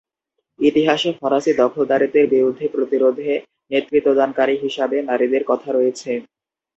ইতিহাসে ফরাসি দখলদারিত্বের বিরুদ্ধে প্রতিরোধে নেতৃত্বদানকারী হিসাবে নারীদের কথা রয়েছে।